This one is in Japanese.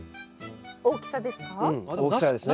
大きさですか？